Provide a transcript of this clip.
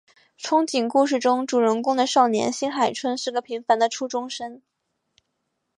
憧憬故事中主人公的少年新海春是个平凡的初中生。